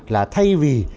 là thay vì